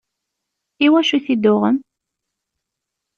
Iwacu i t-id-tuɣem?